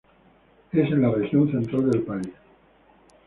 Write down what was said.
Es en la región central del país.